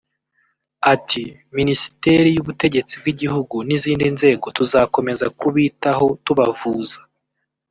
Ati “Minisiteri y’ubutegetsi bw’igihugu n’izindi nzego tuzakomeza kubitaho tubavuza